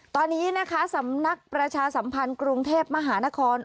ตอนนี้นะคะสำนักประชาสัมพันธ์กรุงเทพมหานคร